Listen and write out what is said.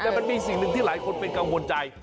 แต่มันมีสิ่งหนึ่งที่หลายคนเป็นกังวลใจ